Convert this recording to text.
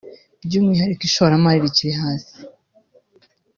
by’umwihariko ishoramari rikiri hasi